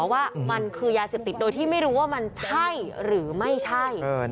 ว่ามันคือยาเสพติดโดยที่ไม่รู้ว่ามันใช่หรือไม่ใช่